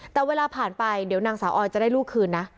แต่เวลาผ่านไปเดี๋ยวนางสาวออยจะได้ลูกคืนนะ